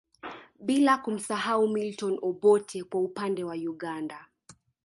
Bila kumsahau Milton Obote kwa upande wa Uganda